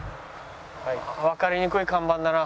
わかりにくい看板だな。